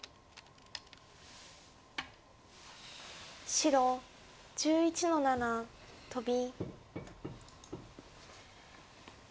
白１１の七トビ。